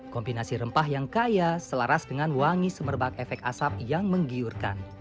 kombinasi rempah yang kaya selaras dengan wangi sumerbak efek asap yang menggiurkan